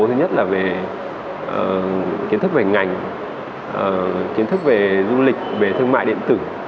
thứ nhất là về kiến thức về ngành kiến thức về du lịch về thương mại điện tử